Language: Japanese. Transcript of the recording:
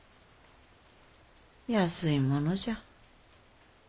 安いものじゃ。